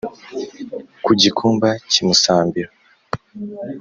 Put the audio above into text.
Ku gikumba cy' i Musambira